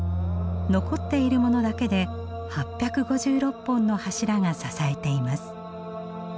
残っているものだけで８５６本の柱が支えています。